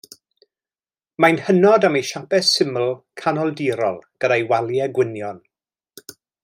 Mae'n hynod am ei siapau syml, Canoldirol, gyda'i waliau gwynion.